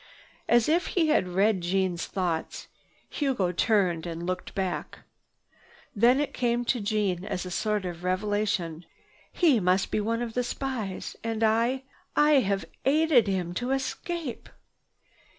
As if he had read Jeanne's thoughts, Hugo turned and looked back. Then it came to Jeanne as a sort of revelation, "He must be one of the spies! And I—I have been aiding him to escape!"